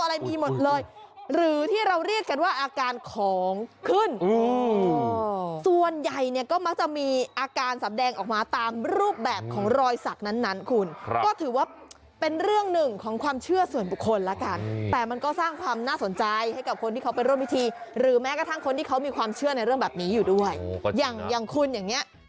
อะไรมีหมดเลยหรือที่เราเรียกกันว่าอาการของขึ้นส่วนใหญ่เนี่ยก็มักจะมีอาการสำแดงออกมาตามรูปแบบของรอยสักนั้นคุณก็ถือว่าเป็นเรื่องหนึ่งของความเชื่อส่วนบุคคลแล้วกันแต่มันก็สร้างความน่าสนใจให้กับคนที่เขาไปร่วมพิธีหรือแม้กระทั่งคนที่เขามีความเชื่อในเรื่องแบบนี้อยู่ด้วยอย่างอย่างคุณอย่างเงี้ย